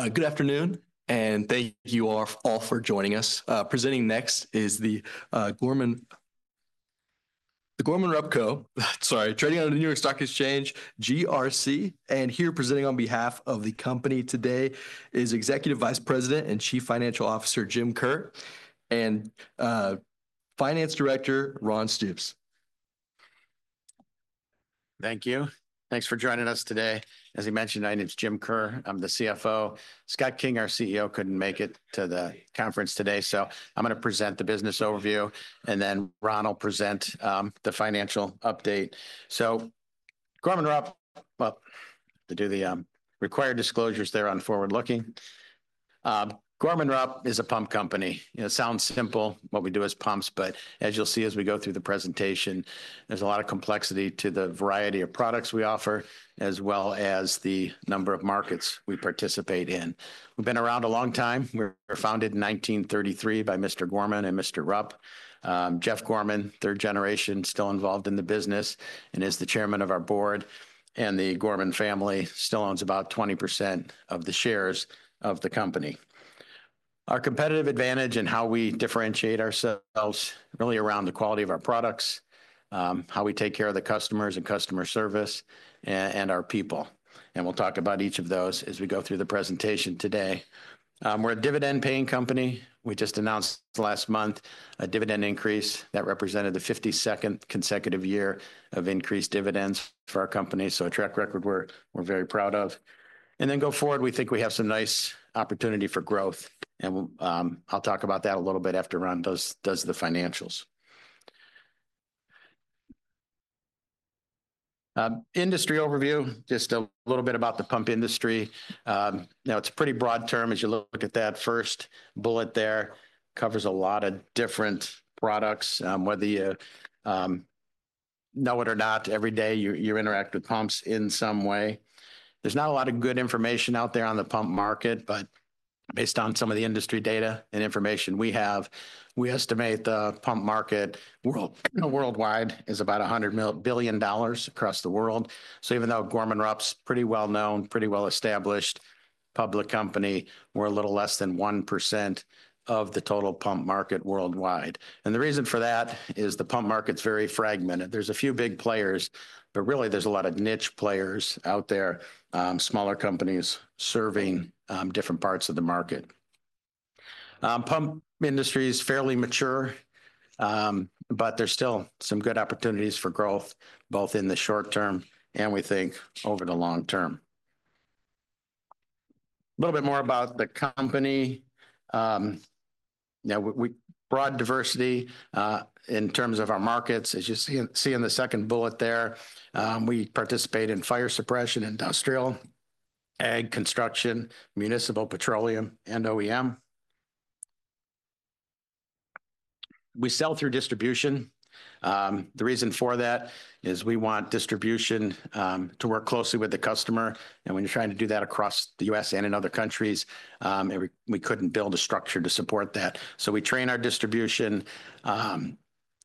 Good afternoon, and thank you all for joining us. Presenting next is the Gorman-Rupp Co. Sorry, trading on the New York Stock Exchange, GRC. And here presenting on behalf of the company today is Executive Vice President and Chief Financial Officer Jim Kerr, and Finance Director Ron Stoops. Thank you. Thanks for joining us today. As he mentioned, my name is Jim Kerr. I'm the CFO. Scott King, our CEO, couldn't make it to the conference today, so I'm going to present the business overview, and then Ron will present the financial update. So Gorman-Rupp, to do the required disclosures there on forward-looking. Gorman-Rupp is a pump company. It sounds simple what we do as pumps, but as you'll see as we go through the presentation, there's a lot of complexity to the variety of products we offer, as well as the number of markets we participate in. We've been around a long time. We were founded in 1933 by Mr. Gorman and Mr. Rupp. Jeff Gorman, third generation, still involved in the business and is the chairman of our board. And the Gorman family still owns about 20% of the shares of the company. Our competitive advantage and how we differentiate ourselves really around the quality of our products, how we take care of the customers and customer service, and our people, and we'll talk about each of those as we go through the presentation today. We're a dividend-paying company. We just announced last month a dividend increase that represented the 52nd consecutive year of increased dividends for our company, so a track record we're very proud of, and then going forward, we think we have some nice opportunity for growth, and I'll talk about that a little bit after Ron does the financials. Industry overview, just a little bit about the pump industry. Now, it's a pretty broad term as you look at that first bullet there. It covers a lot of different products. Whether you know it or not, every day you interact with pumps in some way. There's not a lot of good information out there on the pump market, but based on some of the industry data and information we have, we estimate the pump market worldwide is about $100 billion across the world. So even though Gorman-Rupp's pretty well-known, pretty well-established public company, we're a little less than 1% of the total pump market worldwide. And the reason for that is the pump market's very fragmented. There's a few big players, but really there's a lot of niche players out there, smaller companies serving different parts of the market. Pump Industry is fairly mature, but there's still some good opportunities for growth both in the short term and we think over the long term. A little bit more about the company. Now, we have broad diversity in terms of our markets, as you see in the second bullet there. We participate in fire suppression, industrial, ag, construction, municipal, petroleum, and OEM. We sell through distribution. The reason for that is we want distribution to work closely with the customer. And when you're trying to do that across the U.S. and in other countries, we couldn't build a structure to support that. So we train our distribution.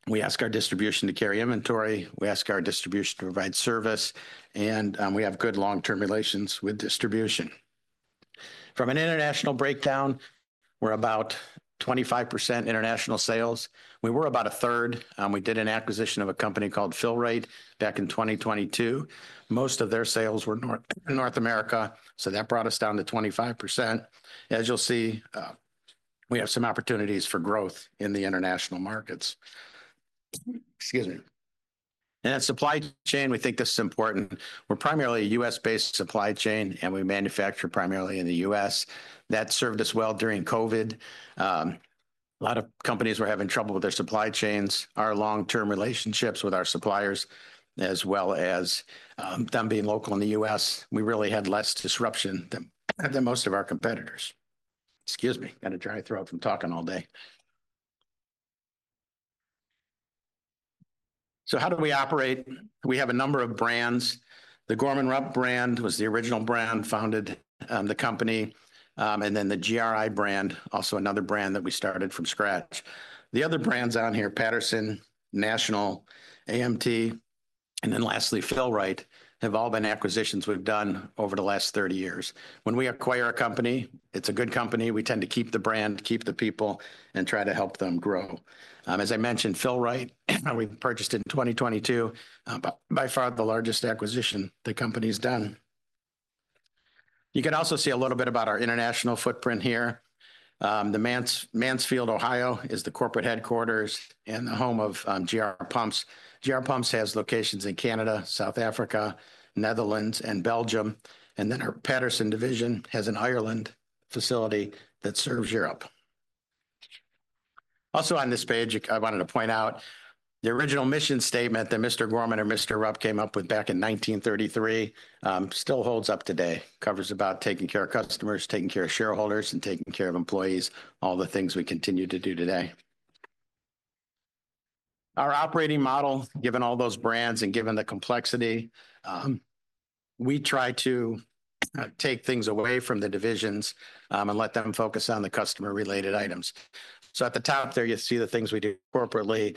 We ask our distribution to carry inventory. We ask our distribution to provide service. And we have good long-term relations with distribution. From an international breakdown, we're about 25% international sales. We were about a third. We did an acquisition of a company called Fill-Rite back in 2022. Most of their sales were North America, so that brought us down to 25%. As you'll see, we have some opportunities for growth in the international markets. Excuse me. And supply chain, we think this is important. We're primarily a U.S.-based supply chain, and we manufacture primarily in the U.S. That served us well during COVID. A lot of companies were having trouble with their supply chains. Our long-term relationships with our suppliers, as well as them being local in the U.S., we really had less disruption than most of our competitors. Excuse me, got a dry throat from talking all day. So how do we operate? We have a number of brands. The Gorman-Rupp brand was the original brand founded the company, and then the GRI brand, also another brand that we started from scratch. The other brands on here, Patterson, National, AMT, and then lastly, Fill-Rite have all been acquisitions we've done over the last 30 years. When we acquire a company, it's a good company. We tend to keep the brand, keep the people, and try to help them grow. As I mentioned, Fill-Rite we purchased in 2022, by far the largest acquisition the company's done. You can also see a little bit about our international footprint here. The Mansfield, Ohio, is the corporate headquarters and the home of GR Pumps. GR Pumps has locations in Canada, South Africa, Netherlands, and Belgium. And then our Patterson division has an Ireland facility that serves Europe. Also on this page, I wanted to point out the original mission statement that Mr. Gorman or Mr. Rupp came up with back in 1933 still holds up today. It covers about taking care of customers, taking care of shareholders, and taking care of employees, all the things we continue to do today. Our operating model, given all those brands and given the complexity, we try to take things away from the divisions and let them focus on the customer-related items. So at the top there, you see the things we do corporately.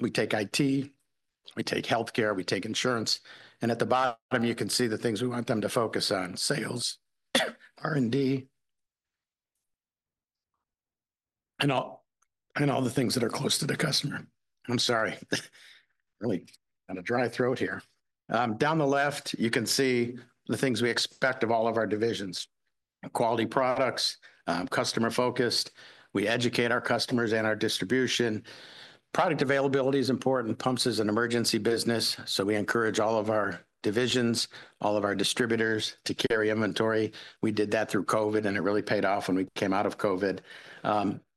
We take IT, we take healthcare, we take insurance. And at the bottom, you can see the things we want them to focus on: sales, R&D, and all the things that are close to the customer. I'm sorry, really got a dry throat here. Down the left, you can see the things we expect of all of our divisions: quality products, customer-focused. We educate our customers and our distribution. Product availability is important. Pumps is an emergency business, so we encourage all of our divisions, all of our distributors to carry inventory. We did that through COVID, and it really paid off when we came out of COVID.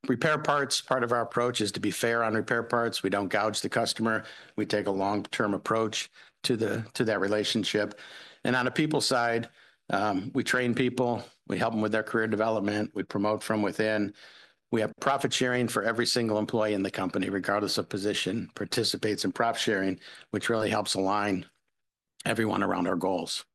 Repair parts, part of our approach is to be fair on repair parts. We don't gouge the customer. We take a long-term approach to that relationship. On a people side, we train people. We help them with their career development. We promote from within. We have profit sharing for every single employee in the company, regardless of position, participates in profit sharing, which really helps align everyone around our goals.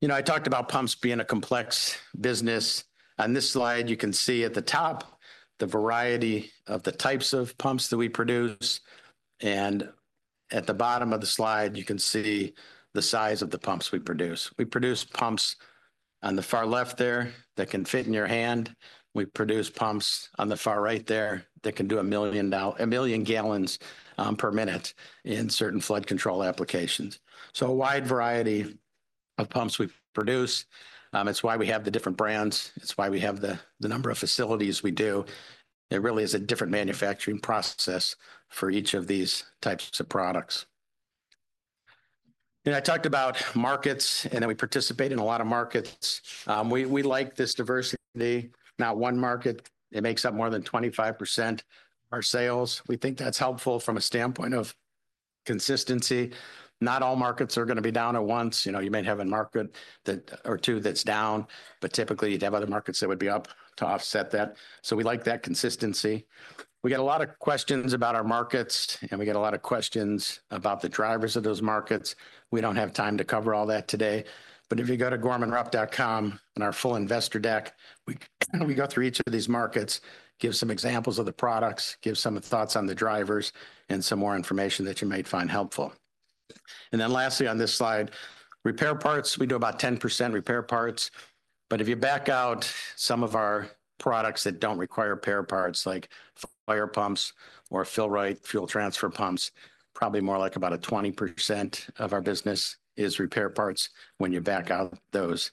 You know, I talked about pumps being a complex business. On this slide, you can see at the top the variety of the types of pumps that we produce. At the bottom of the slide, you can see the size of the pumps we produce. We produce pumps on the far left there that can fit in your hand. We produce pumps on the far right there that can do a million gallons per minute in certain flood control applications. A wide variety of pumps we produce. It's why we have the different brands. It's why we have the number of facilities we do. There really is a different manufacturing process for each of these types of products. And I talked about markets, and then we participate in a lot of markets. We like this diversity. Not one market, it makes up more than 25% of our sales. We think that's helpful from a standpoint of consistency. Not all markets are going to be down at once. You know, you may have a market or two that's down, but typically you'd have other markets that would be up to offset that. So we like that consistency. We get a lot of questions about our markets, and we get a lot of questions about the drivers of those markets. We don't have time to cover all that today. But if you go to gormanrupp.com on our full investor deck, we go through each of these markets, give some examples of the products, give some thoughts on the drivers, and some more information that you might find helpful. And then lastly on this slide, repair parts, we do about 10% repair parts. But if you back out some of our products that don't require repair parts, like fire pumps or Fill-Rite fuel transfer pumps, probably more like about 20% of our business is repair parts when you back out those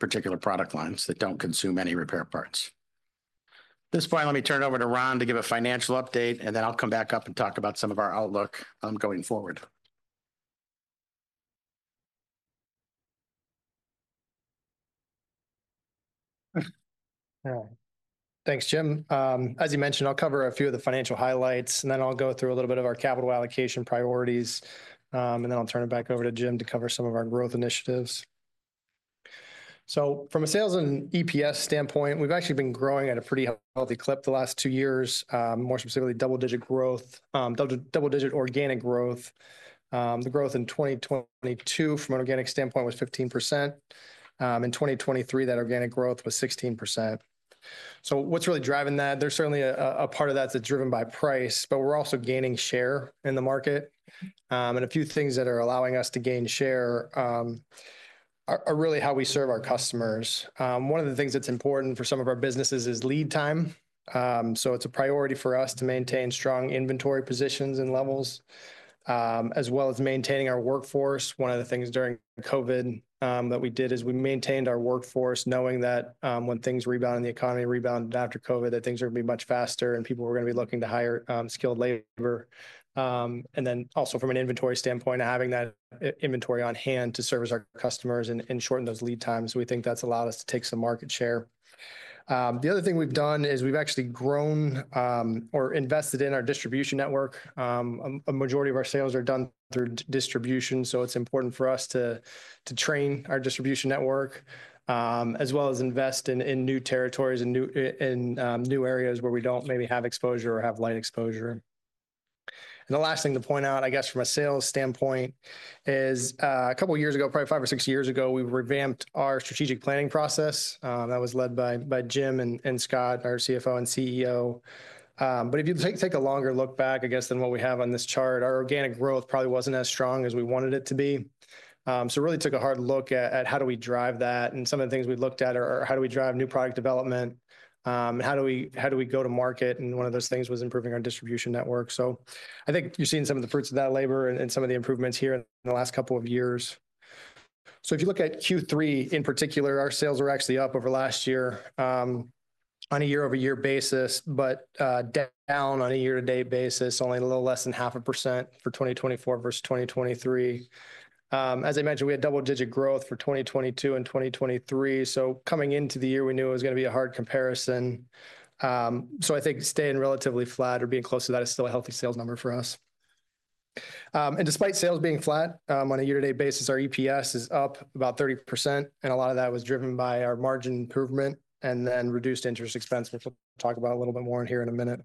particular product lines that don't consume any repair parts. At this point, let me turn it over to Ron to give a financial update, and then I'll come back up and talk about some of our outlook going forward. Thanks, Jim. As you mentioned, I'll cover a few of the financial highlights, and then I'll go through a little bit of our capital allocation priorities, and then I'll turn it back over to Jim to cover some of our growth initiatives, so from a sales and EPS standpoint, we've actually been growing at a pretty healthy clip the last two years, more specifically double-digit growth, double-digit organic growth. The growth in 2022 from an organic standpoint was 15%. In 2023, that organic growth was 16%, so what's really driving that? There's certainly a part of that that's driven by price, but we're also gaining share in the market, and a few things that are allowing us to gain share are really how we serve our customers. One of the things that's important for some of our businesses is lead time. It's a priority for us to maintain strong inventory positions and levels, as well as maintaining our workforce. One of the things during COVID that we did is we maintained our workforce, knowing that when things rebound in the economy after COVID, that things are going to be much faster and people were going to be looking to hire skilled labor. Also from an inventory standpoint, having that inventory on hand to service our customers and shorten those lead times, we think that's allowed us to take some market share. The other thing we've done is we've actually grown or invested in our distribution network. A majority of our sales are done through distribution, so it's important for us to train our distribution network, as well as invest in new territories and new areas where we don't maybe have exposure or have light exposure. And the last thing to point out, I guess from a sales standpoint, is a couple of years ago, probably five or six years ago, we revamped our strategic planning process. That was led by Jim and Scott, our CFO and CEO. But if you take a longer look back, I guess, than what we have on this chart, our organic growth probably wasn't as strong as we wanted it to be. So really took a hard look at how do we drive that. And some of the things we looked at are how do we drive new product development and how do we go to market. And one of those things was improving our distribution network. So I think you're seeing some of the fruits of that labor and some of the improvements here in the last couple of years. So if you look at Q3 in particular, our sales were actually up over last year on a year-over-year basis, but down on a year-to-date basis, only a little less than 0.5% for 2024 versus 2023. As I mentioned, we had double-digit growth for 2022 and 2023. So coming into the year, we knew it was going to be a hard comparison. So I think staying relatively flat or being close to that is still a healthy sales number for us. And despite sales being flat on a year-to-date basis, our EPS is up about 30%. And a lot of that was driven by our margin improvement and then reduced interest expense, which we'll talk about a little bit more in here in a minute.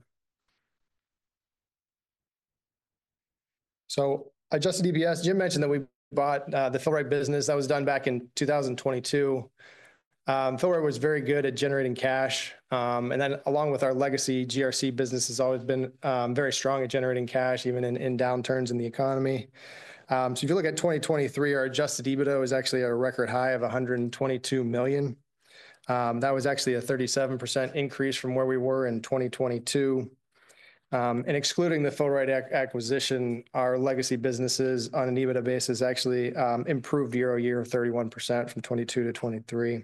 So adjusted EPS, Jim mentioned that we bought the Fill-Rite business. That was done back in 2022. Fill-Rite was very good at generating cash. And then along with our legacy GRC business, has always been very strong at generating cash, even in downturns in the economy. So if you look at 2023, our Adjusted EBITDA was actually a record high of $122 million. That was actually a 37% increase from where we were in 2022. And excluding the Fill-Rite acquisition, our legacy businesses on an EBITDA basis actually improved year-over-year 31% from 2022 to 2023.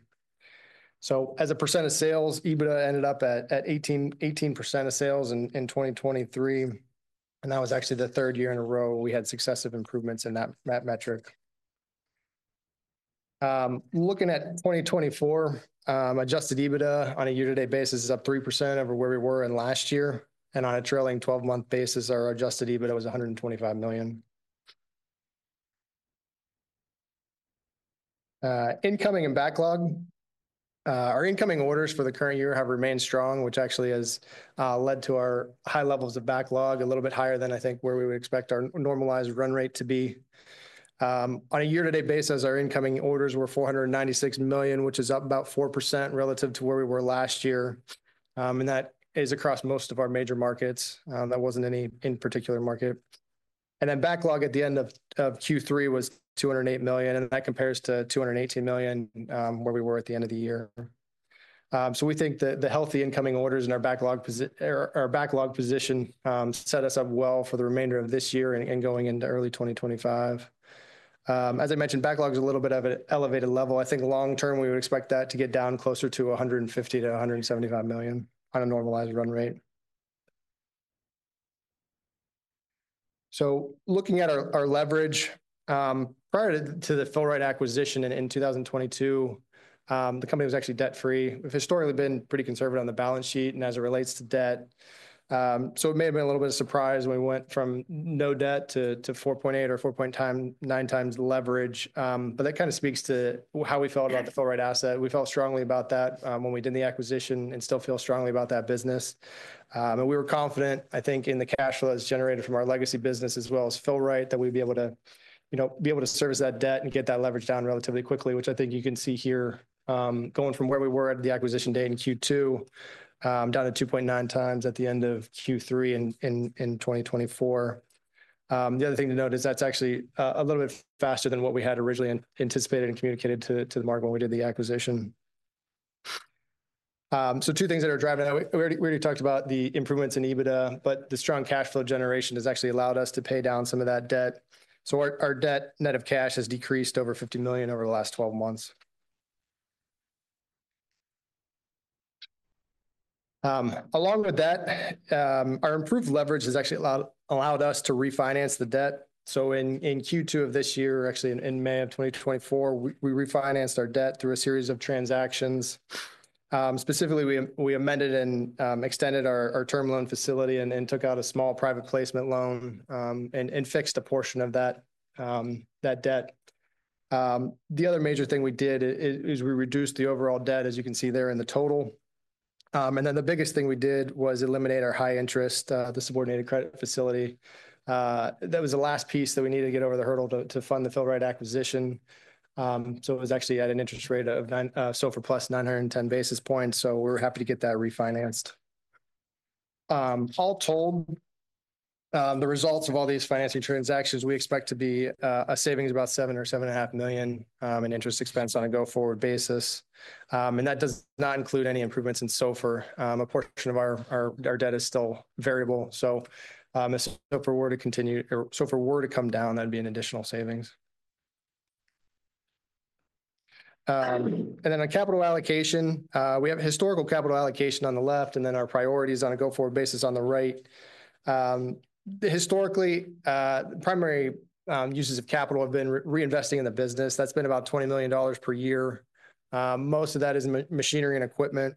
So as a percent of sales, EBITDA ended up at 18% of sales in 2023. And that was actually the third year in a row we had successive improvements in that metric. Looking at 2024, Adjusted EBITDA on a year-to-date basis is up 3% over where we were in last year. And on a trailing 12-month basis, our Adjusted EBITDA was $125 million. Incoming and backlog. Our incoming orders for the current year have remained strong, which actually has led to our high levels of backlog, a little bit higher than I think where we would expect our normalized run rate to be. On a year-to-date basis, our incoming orders were $496 million, which is up about 4% relative to where we were last year, and that is across most of our major markets. That wasn't any in particular market, and then backlog at the end of Q3 was $208 million, and that compares to $218 million where we were at the end of the year, so we think that the healthy incoming orders in our backlog position set us up well for the remainder of this year and going into early 2025. As I mentioned, backlog is a little bit of an elevated level. I think long-term we would expect that to get down closer to $150 million-$175 million on a normalized run rate. So looking at our leverage, prior to the Fill-Rite acquisition in 2022, the company was actually debt-free. We've historically been pretty conservative on the balance sheet and as it relates to debt. So it may have been a little bit of a surprise when we went from no debt to 4.8 or 4.9 times leverage. But that kind of speaks to how we felt about the Fill-Rite asset. We felt strongly about that when we did the acquisition and still feel strongly about that business. We were confident, I think, in the cash flow that's generated from our legacy business as well as Fill-Rite that we'd be able to service that debt and get that leverage down relatively quickly, which I think you can see here going from where we were at the acquisition date in Q2 down to 2.9 times at the end of Q3 in 2024. The other thing to note is that's actually a little bit faster than what we had originally anticipated and communicated to the market when we did the acquisition. Two things that are driving that. We already talked about the improvements in EBITDA, but the strong cash flow generation has actually allowed us to pay down some of that debt. Our debt net of cash has decreased over $50 million over the last 12 months. Along with that, our improved leverage has actually allowed us to refinance the debt. So in Q2 of this year, actually in May of 2024, we refinanced our debt through a series of transactions. Specifically, we amended and extended our term loan facility and took out a small private placement loan and fixed a portion of that debt. The other major thing we did is we reduced the overall debt, as you can see there in the total. And then the biggest thing we did was eliminate our high interest, the subordinated credit facility. That was the last piece that we needed to get over the hurdle to fund the Fill-Rite acquisition. So it was actually at an interest rate of SOFR plus 910 basis points. So we're happy to get that refinanced. All told, the results of all these financing transactions, we expect to be a savings of about $7-$7.5 million in interest expense on a go-forward basis, and that does not include any improvements in SOFR. A portion of our debt is still variable, so if SOFR were to continue or SOFR were to come down, that'd be an additional savings, and then on capital allocation, we have historical capital allocation on the left and then our priorities on a go-forward basis on the right. Historically, the primary uses of capital have been reinvesting in the business. That's been about $20 million per year. Most of that is machinery and equipment,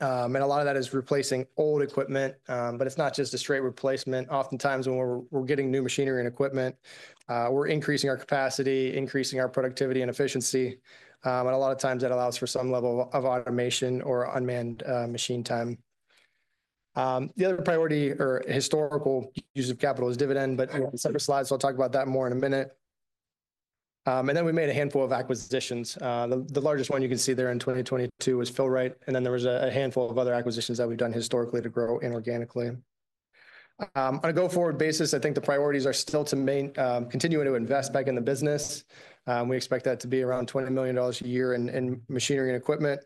and a lot of that is replacing old equipment, but it's not just a straight replacement. Oftentimes when we're getting new machinery and equipment, we're increasing our capacity, increasing our productivity and efficiency. And a lot of times that allows for some level of automation or unmanned machine time. The other priority or historical use of capital is dividend, but we have separate slides, so I'll talk about that more in a minute. And then we made a handful of acquisitions. The largest one you can see there in 2022 was Fill-Rite. And then there was a handful of other acquisitions that we've done historically to grow inorganically. On a go-forward basis, I think the priorities are still to continue to invest back in the business. We expect that to be around $20 million a year in machinery and equipment.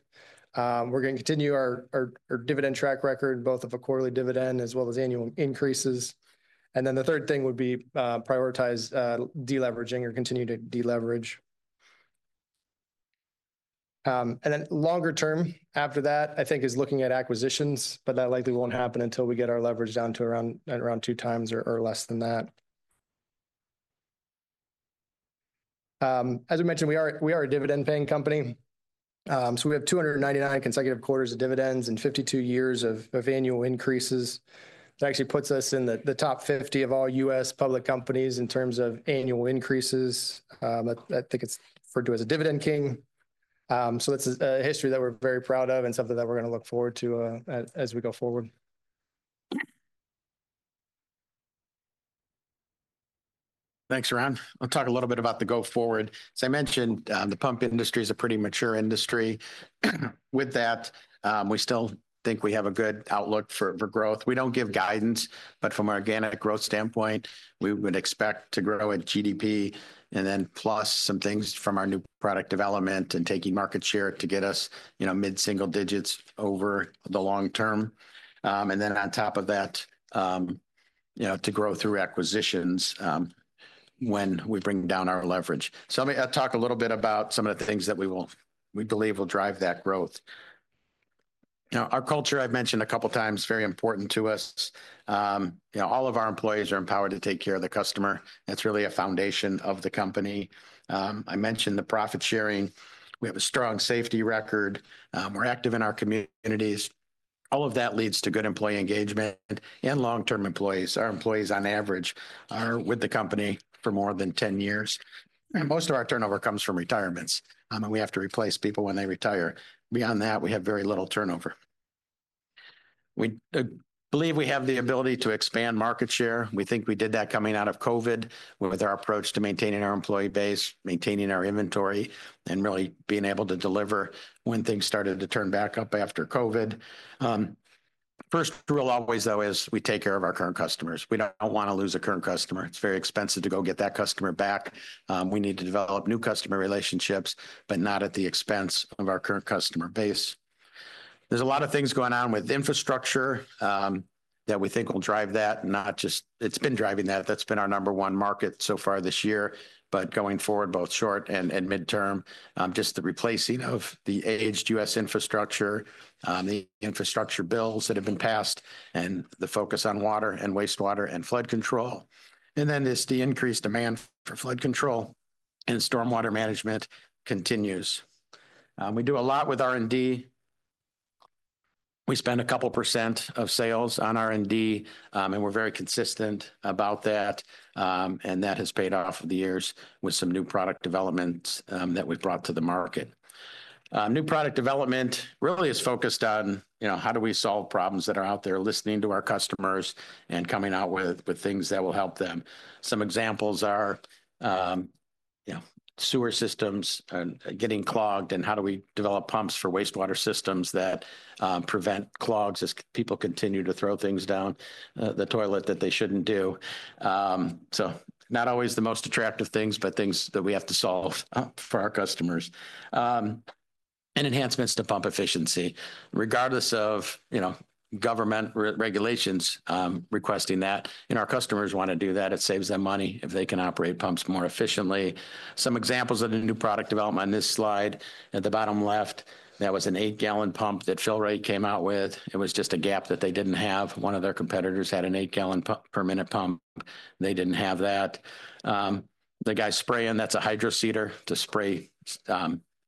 We're going to continue our dividend track record, both of a quarterly dividend as well as annual increases. And then the third thing would be prioritize deleveraging or continue to deleverage. And then longer term after that, I think is looking at acquisitions, but that likely won't happen until we get our leverage down to around two times or less than that. As we mentioned, we are a dividend-paying company. So we have 299 consecutive quarters of dividends and 52 years of annual increases. That actually puts us in the top 50 of all U.S. public companies in terms of annual increases. I think it's referred to as a Dividend King. So that's a history that we're very proud of and something that we're going to look forward to as we go forward. Thanks, Ron. I'll talk a little bit about the go-forward. As I mentioned, the pump industry is a pretty mature industry. With that, we still think we have a good outlook for growth. We don't give guidance, but from an organic growth standpoint, we would expect to grow in GDP and then plus some things from our new product development and taking market share to get us mid-single digits over the long term, and then on top of that, to grow through acquisitions when we bring down our leverage, so let me talk a little bit about some of the things that we believe will drive that growth. Our culture, I've mentioned a couple of times, is very important to us. All of our employees are empowered to take care of the customer. That's really a foundation of the company. I mentioned the profit sharing. We have a strong safety record. We're active in our communities. All of that leads to good employee engagement and long-term employees. Our employees, on average, are with the company for more than 10 years. Most of our turnover comes from retirements, and we have to replace people when they retire. Beyond that, we have very little turnover. We believe we have the ability to expand market share. We think we did that coming out of COVID with our approach to maintaining our employee base, maintaining our inventory, and really being able to deliver when things started to turn back up after COVID. First rule always, though, is we take care of our current customers. We don't want to lose a current customer. It's very expensive to go get that customer back. We need to develop new customer relationships, but not at the expense of our current customer base. There's a lot of things going on with infrastructure that we think will drive that, not just it's been driving that. That's been our number one market so far this year, but going forward, both short and midterm, just the replacing of the aged U.S. infrastructure, the infrastructure bills that have been passed, and the focus on water and wastewater and flood control, and then it's the increased demand for flood control and stormwater management continues. We do a lot with R&D. We spend a couple % of sales on R&D, and we're very consistent about that, and that has paid off over the years with some new product developments that we've brought to the market. New product development really is focused on how do we solve problems that are out there, listening to our customers and coming out with things that will help them. Some examples are sewer systems getting clogged and how do we develop pumps for wastewater systems that prevent clogs as people continue to throw things down the toilet that they shouldn't do. So not always the most attractive things, but things that we have to solve for our customers and enhancements to pump efficiency. Regardless of government regulations requesting that, our customers want to do that. It saves them money if they can operate pumps more efficiently. Some examples of the new product development on this slide at the bottom left, that was an eight-gallon pump that Fill-Rite came out with. It was just a gap that they didn't have. One of their competitors had an eight-gallon-per-minute pump. They didn't have that. The guy spraying, that's a HydroSeeder to spray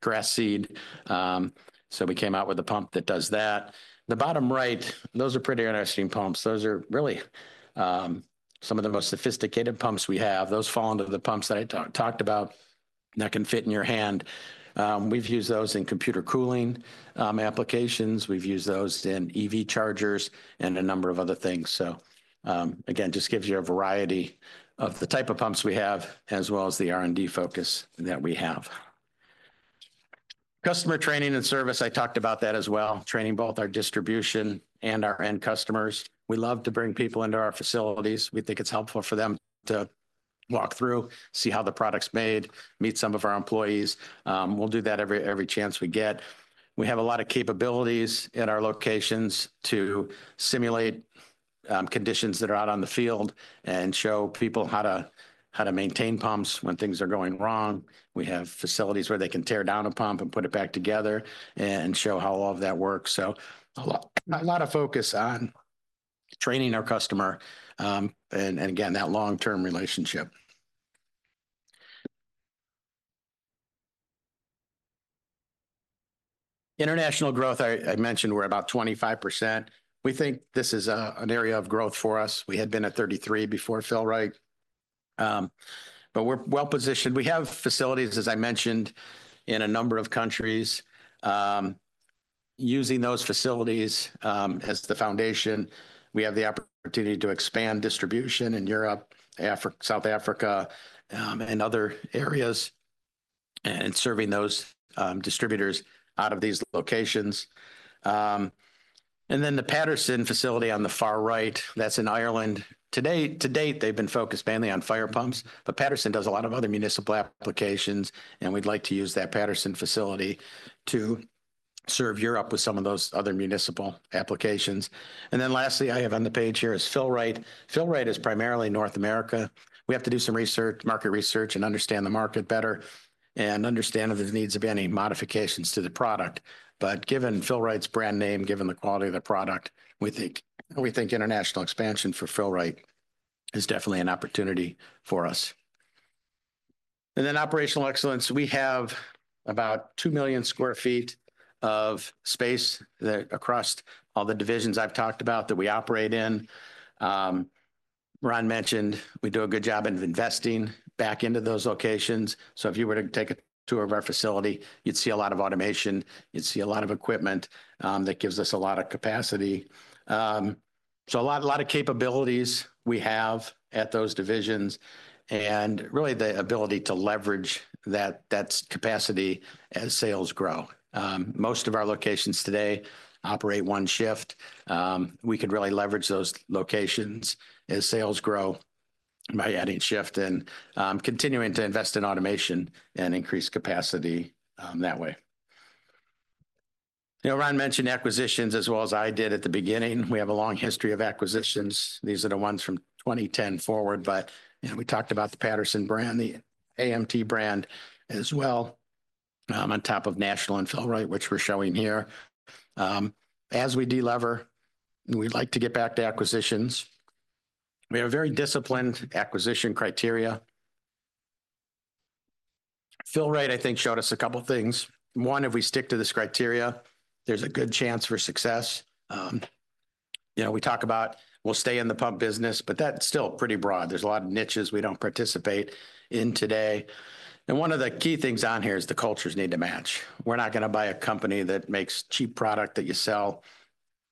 grass seed. So we came out with a pump that does that. The bottom right, those are pretty interesting pumps. Those are really some of the most sophisticated pumps we have. Those fall under the pumps that I talked about that can fit in your hand. We've used those in computer cooling applications. We've used those in EV chargers and a number of other things. So again, just gives you a variety of the type of pumps we have, as well as the R&D focus that we have. Customer training and service, I talked about that as well, training both our distribution and our end customers. We love to bring people into our facilities. We think it's helpful for them to walk through, see how the product's made, meet some of our employees. We'll do that every chance we get. We have a lot of capabilities at our locations to simulate conditions that are out on the field and show people how to maintain pumps when things are going wrong. We have facilities where they can tear down a pump and put it back together and show how all of that works, so a lot of focus on training our customer and, again, that long-term relationship. International growth. I mentioned we're about 25%. We think this is an area of growth for us. We had been at 33 before Fill-Rite, but we're well positioned. We have facilities, as I mentioned, in a number of countries. Using those facilities as the foundation, we have the opportunity to expand distribution in Europe, South Africa, and other areas, and serving those distributors out of these locations, and then the Patterson facility on the far right, that's in Ireland. To date, they've been focused mainly on fire pumps, but Patterson does a lot of other municipal applications, and we'd like to use that Patterson facility to serve Europe with some of those other municipal applications. And then lastly, I have on the page here is Fill-Rite. Fill-Rite is primarily North America. We have to do some market research and understand the market better and understand the needs of any modifications to the product. But given Fill-Rite's brand name, given the quality of the product, we think international expansion for Fill-Rite is definitely an opportunity for us. And then operational excellence. We have about 2 million sq ft of space across all the divisions I've talked about that we operate in. Ron mentioned we do a good job of investing back into those locations. So if you were to take a tour of our facility, you'd see a lot of automation. You'd see a lot of equipment that gives us a lot of capacity. So a lot of capabilities we have at those divisions and really the ability to leverage that capacity as sales grow. Most of our locations today operate one shift. We could really leverage those locations as sales grow by adding shift and continuing to invest in automation and increase capacity that way. Ron mentioned acquisitions as well as I did at the beginning. We have a long history of acquisitions. These are the ones from 2010 forward, but we talked about the Patterson brand, the AMT brand as well, on top of National and Fill-Rite, which we're showing here. As we deliver, we'd like to get back to acquisitions. We have very disciplined acquisition criteria. Fill-Rite, I think, showed us a couple of things. One, if we stick to this criteria, there's a good chance for success. We talk about we'll stay in the pump business, but that's still pretty broad. There's a lot of niches we don't participate in today, and one of the key things on here is the cultures need to match. We're not going to buy a company that makes cheap product that you sell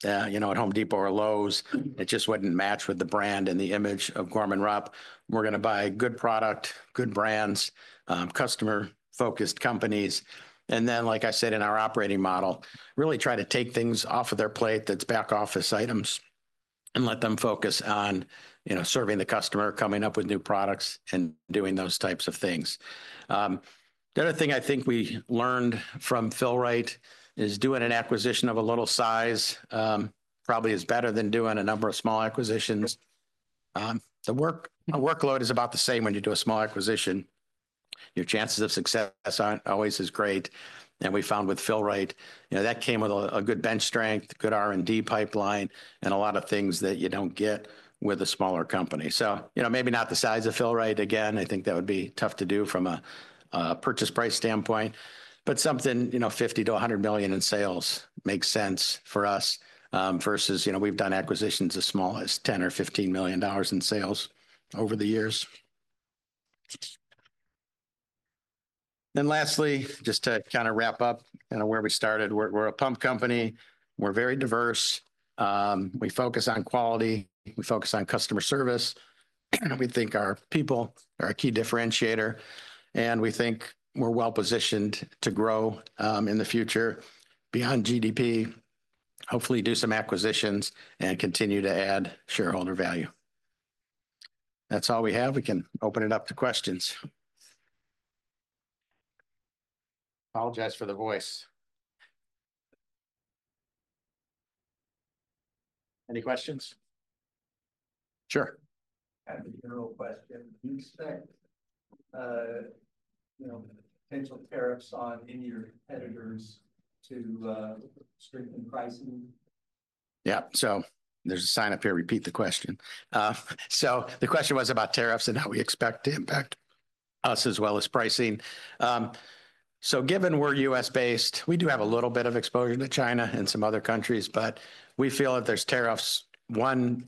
at Home Depot or Lowe's. It just wouldn't match with the brand and the image of Gorman-Rupp. We're going to buy good product, good brands, customer-focused companies, and then, like I said in our operating model, really try to take things off of their plate that's back office items and let them focus on serving the customer, coming up with new products, and doing those types of things. The other thing I think we learned from Fill-Rite is doing an acquisition of a little size probably is better than doing a number of small acquisitions. The workload is about the same when you do a small acquisition. Your chances of success aren't always as great, and we found with Fill-Rite, that came with a good bench strength, good R&D pipeline, and a lot of things that you don't get with a smaller company, so maybe not the size of Fill-Rite. Again, I think that would be tough to do from a purchase price standpoint, but something $50 million to $100 million in sales makes sense for us versus we've done acquisitions as small as $10 million or $15 million in sales over the years, and lastly, just to kind of wrap up where we started, we're a pump company. We're very diverse. We focus on quality. We focus on customer service. We think our people are a key differentiator, and we think we're well positioned to grow in the future beyond GDP, hopefully do some acquisitions and continue to add shareholder value. That's all we have. We can open it up to questions. Apologize for the voice. Any questions? Sure. I have a general question. You said potential tariffs on in your competitors to strengthen pricing? Yeah. So there's a sign up here. Repeat the question. So the question was about tariffs and how we expect to impact us as well as pricing. So given we're U.S.-based, we do have a little bit of exposure to China and some other countries, but we feel that there's tariffs. One,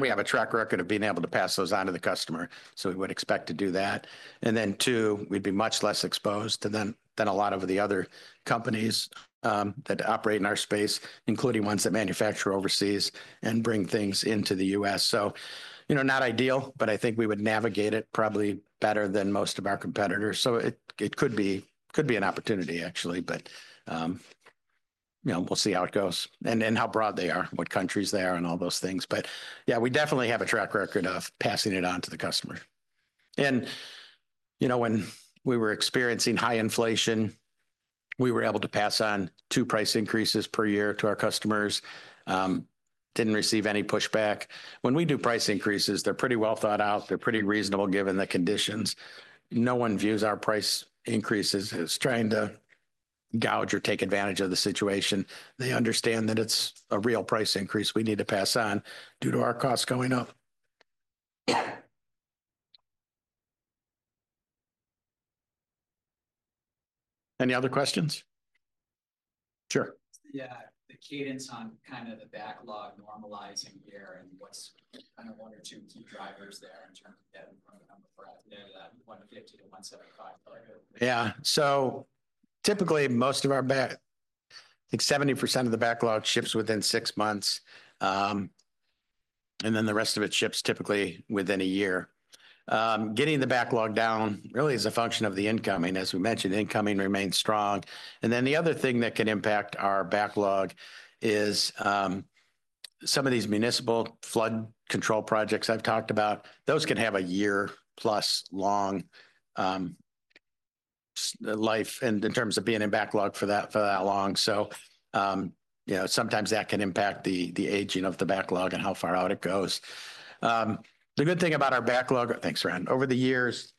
we have a track record of being able to pass those on to the customer, so we would expect to do that. And then two, we'd be much less exposed than a lot of the other companies that operate in our space, including ones that manufacture overseas and bring things into the U.S. So not ideal, but I think we would navigate it probably better than most of our competitors. So it could be an opportunity, actually, but we'll see how it goes and how broad they are, what countries they are and all those things. But yeah, we definitely have a track record of passing it on to the customer. And when we were experiencing high inflation, we were able to pass on two price increases per year to our customers. Didn't receive any pushback. When we do price increases, they're pretty well thought out. They're pretty reasonable given the conditions. No one views our price increases as trying to gouge or take advantage of the situation. They understand that it's a real price increase we need to pass on due to our costs going up. Any other questions? Sure. Yeah. The cadence on kind of the backlog normalizing here and what's kind of one or two key drivers there in terms of getting from the number for that $150-175 million? Yeah. So typically, most of our backlog, I think 70% of the backlog ships within six months, and then the rest of it ships typically within a year. Getting the backlog down really is a function of the incoming. As we mentioned, incoming remains strong. And then the other thing that can impact our backlog is some of these municipal flood control projects I've talked about. Those can have a year-plus long life in terms of being in backlog for that long. So sometimes that can impact the aging of the backlog and how far out it goes. The good thing about our backlog, thanks, Ron, over the years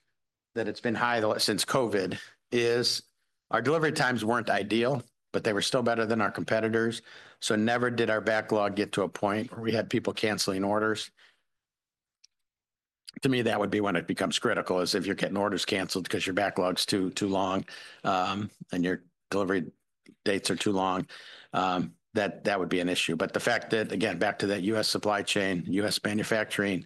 that it's been high since COVID is our delivery times weren't ideal, but they were still better than our competitors. So never did our backlog get to a point where we had people canceling orders. To me, that would be when it becomes critical is if you're getting orders canceled because your backlog's too long and your delivery dates are too long, that would be an issue. But the fact that, again, back to that U.S. supply chain, U.S. manufacturing,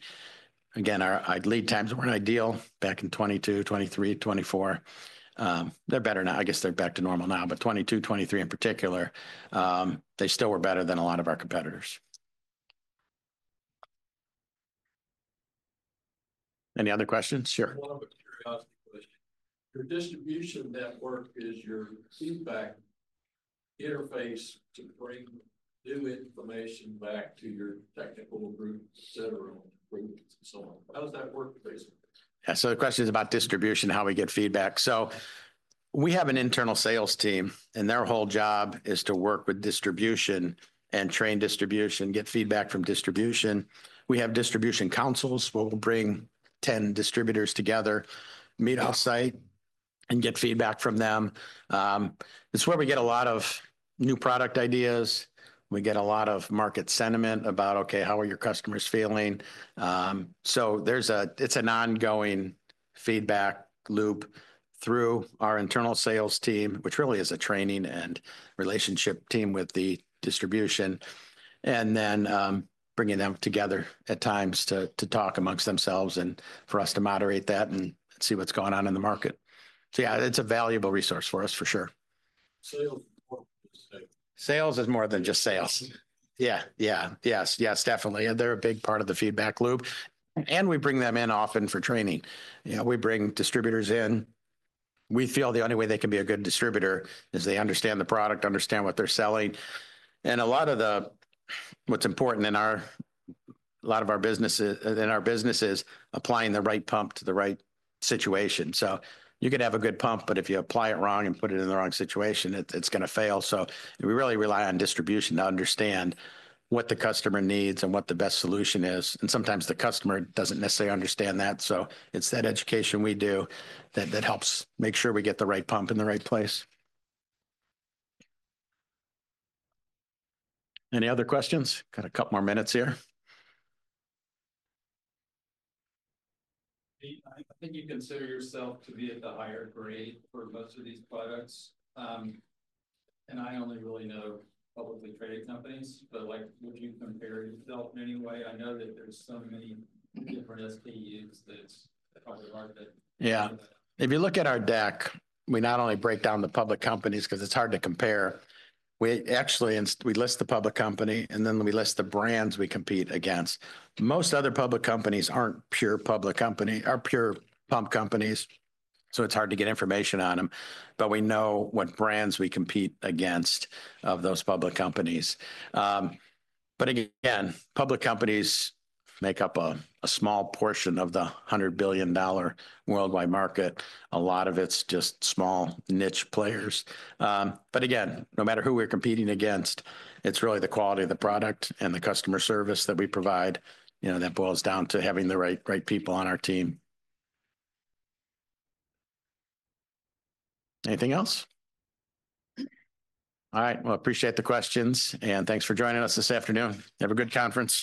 again, our lead times weren't ideal back in 2022, 2023, 2024. They're better now. I guess they're back to normal now, but 2022, 2023 in particular, they still were better than a lot of our competitors. Any other questions? Sure. One curiosity question. Your distribution network is your feedback interface to bring new information back to your technical group, etc., groups, and so on. How does that work, basically? Yeah. So the question is about distribution, how we get feedback. We have an internal sales team, and their whole job is to work with distribution and train distribution, get feedback from distribution. We have distribution councils. We'll bring 10 distributors together, meet on site, and get feedback from them. It's where we get a lot of new product ideas. We get a lot of market sentiment about, okay, how are your customers feeling? It's an ongoing feedback loop through our internal sales team, which really is a training and relationship team with the distribution, and then bringing them together at times to talk among themselves and for us to moderate that and see what's going on in the market. Yeah, it's a valuable resource for us, for sure. Sales is more than just sales. Yeah. Yeah. Yes. Yes, definitely. And they're a big part of the feedback loop. And we bring them in often for training. We bring distributors in. We feel the only way they can be a good distributor is they understand the product, understand what they're selling. And a lot of what's important in a lot of our businesses is applying the right pump to the right situation. So you can have a good pump, but if you apply it wrong and put it in the wrong situation, it's going to fail. So we really rely on distribution to understand what the customer needs and what the best solution is. And sometimes the customer doesn't necessarily understand that. So it's that education we do that helps make sure we get the right pump in the right place. Any other questions? Got a couple more minutes here. I think you consider yourself to be at the higher grade for most of these products, and I only really know publicly traded companies, but would you compare yourself in any way? I know that there's so many different SKUs that's hard to market. Yeah. If you look at our deck, we not only break down the public companies because it's hard to compare. Actually, we list the public company, and then we list the brands we compete against. Most other public companies aren't pure public companies or pure pump companies, so it's hard to get information on them. But we know what brands we compete against of those public companies. But again, public companies make up a small portion of the $100 billion worldwide market. A lot of it's just small niche players. But again, no matter who we're competing against, it's really the quality of the product and the customer service that we provide that boils down to having the right people on our team. Anything else? All right. Well, appreciate the questions, and thanks for joining us this afternoon. Have a good conference.